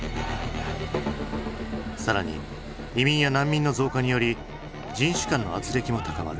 更に移民や難民の増加により人種間のあつれきも高まる。